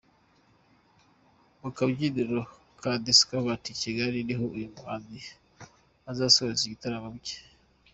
Mu kabyiniro ka Discovery i Kigali niho uyu muhanzi azasoreza ibitaramo bye .